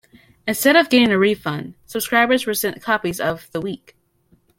Instead of getting a refund, subscribers were sent copies of "The Week".